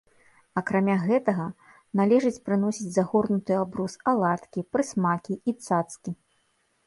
Акрамя гэтага, належыць прыносіць загорнутыя ў абрус аладкі, прысмакі і цацкі.